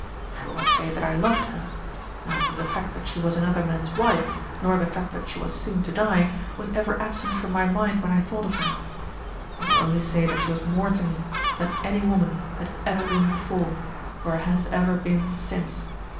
I will not say that I loved her; neither the fact that she was another man's wife, nor the fact that she was soon to die, was ever absent from my mind when I thought of her. I will only say that she was more to me than any woman had ever been before, or has ever been since.